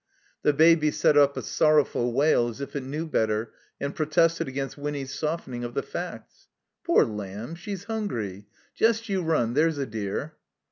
The Baby set up a sonx>wf ul wail as if it knew better and protested against Winny's softening of the facts. "Poor lamb, she's hungry. Jest you run, there's a dear."